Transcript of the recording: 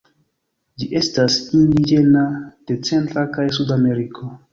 Ĝi estas indiĝena de Centra kaj Suda Ameriko.